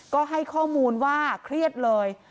ก็ให้ข้อมูลว่าเครียดเลย